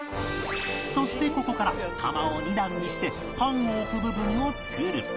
そしてここから窯を２段にしてパンを置く部分を作る